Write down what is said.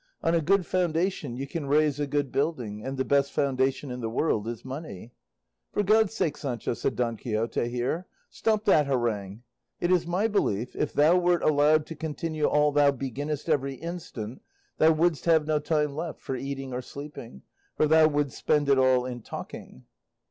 On a good foundation you can raise a good building, and the best foundation in the world is money." "For God's sake, Sancho," said Don Quixote here, "stop that harangue; it is my belief, if thou wert allowed to continue all thou beginnest every instant, thou wouldst have no time left for eating or sleeping; for thou wouldst spend it all in talking."